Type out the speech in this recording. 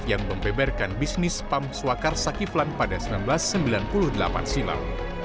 yang membeberkan bisnis pam swakar saki flan pada seribu sembilan ratus sembilan puluh delapan silam